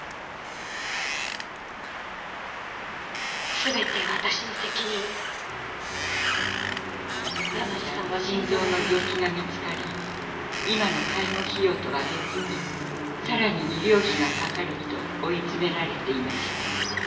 「全て私の責任です」山路さんは心臓の病気が見つかり今の介護費用とは別にさらに医療費がかかると追い詰められていました。